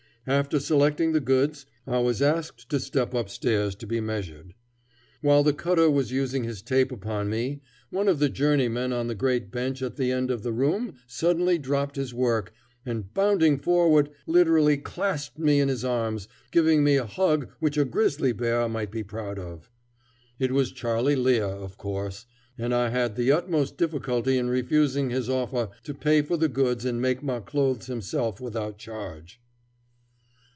After selecting the goods I was asked to step up stairs to be measured. While the cutter was using his tape upon me, one of the journeymen on the great bench at the end of the room suddenly dropped his work, and, bounding forward, literally clasped me in his arms, giving me a hug which a grizzly bear might be proud of. It was Charley Lear, of course, and I had the utmost difficulty in refusing his offer to pay for the goods and make my clothes himself without charge.